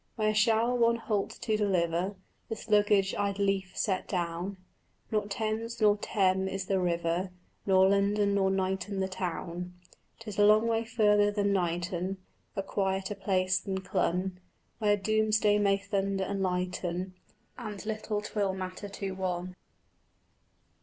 Where shall one halt to deliver This luggage I'd lief set down? Not Thames, not Teme is the river, Nor London nor Knighton the town: 'Tis a long way further than Knighton, A quieter place than Clun, Where doomsday may thunder and lighten And little 'twill matter to one.